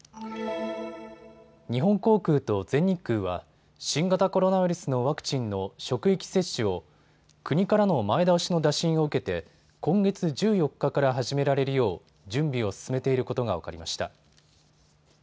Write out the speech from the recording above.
日本航空と全日空は新型コロナウイルスのワクチンの職域接種を国からの前倒しの打診を受けて今月１４日から始められるよう準備を進めていることが分かりました。